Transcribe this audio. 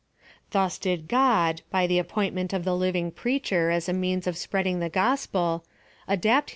Thus did God, by the appointment of the living ]»roacher as a means of spreading the gospel, adapt PLAN OF SALVATION.